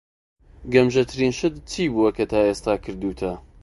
گەمژەترین شت چی بووە کە تا ئێستا کردووتە؟